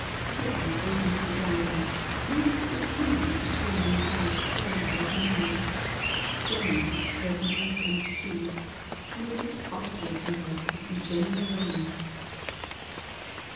Sibyl goes into tlie garden, not displeased at being on bad terms witli Marion. Jenny is the person she has come to see, and it is vital to her to see Jenny alone.